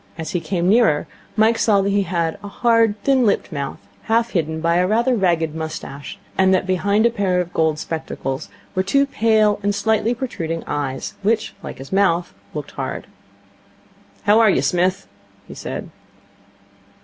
As he came nearer Mike saw that he had a hard, thin lipped mouth, half hidden by a rather ragged moustache, and that behind a pair of gold spectacles were two pale and slightly protruding eyes, which, like his mouth, looked hard. 'How are you, Smith,' he said.